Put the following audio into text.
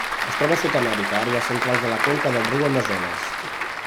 Es troba a Sud-amèrica: àrees centrals de la conca del riu Amazones.